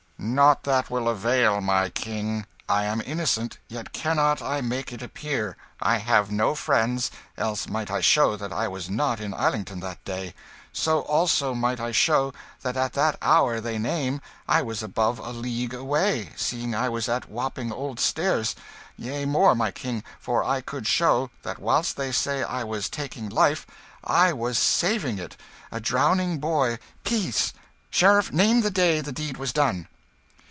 "Nought that will avail, my King. I am innocent, yet cannot I make it appear. I have no friends, else might I show that I was not in Islington that day; so also might I show that at that hour they name I was above a league away, seeing I was at Wapping Old Stairs; yea more, my King, for I could show, that whilst they say I was taking life, I was saving it. A drowning boy " "Peace! Sheriff, name the day the deed was done!"